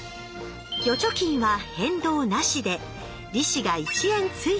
預貯金は変動なしで利子が１円ついただけ。